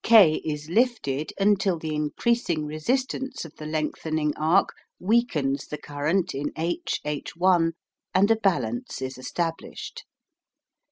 K is lifted until the increasing resistance of the lengthening arc weakens the current in H H' and a balance is established.